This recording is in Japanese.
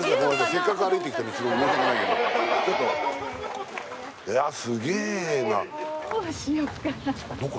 せっかく歩いてきた道を申し訳ないけどちょっとあっすげえなどうしようかなどこ？